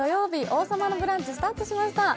「王様のブランチ」スタートしました。